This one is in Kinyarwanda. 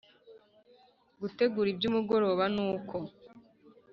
gutegura ibyumugoroba nuko